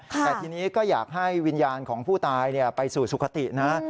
แต่ทีนี้ก็อยากให้วิญญาณของผู้ตายไปสู่สุขตินะ